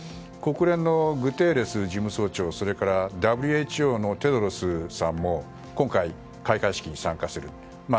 国連のグテーレス事務総長それからＷＨＯのテドロスさんも今回、開会式に参加する。